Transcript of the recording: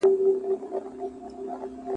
بيا اختر به وي دفتحې `